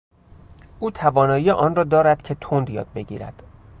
او توانایی آن را دارد که تند یاد بگیرد.